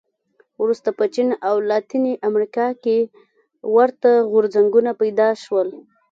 وروسته په چین او لاتینې امریکا کې ورته غورځنګونه پیدا شول.